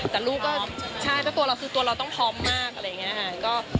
แต่ลูกก็ใช่เพราะตัวเราคือตัวเราต้องพร้อมมากอะไรอย่างนี้ค่ะ